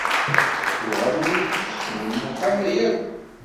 Tuɣal ur yi-d-ttecmumuḥ ara akk.